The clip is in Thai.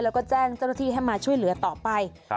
แล้วก็แจ้งเจ้าหน้าที่ให้มาช่วยเหลือต่อไป